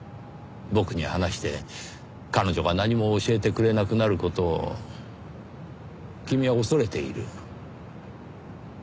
僕に話して彼女が何も教えてくれなくなる事を君は恐れている。